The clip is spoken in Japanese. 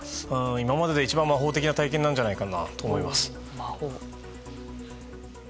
今までで一番魔法的な体験なんじゃないかなと思います。